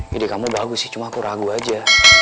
kamu bagus sih cuma aku ragu aja